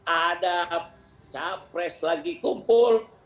ada capres lagi kumpul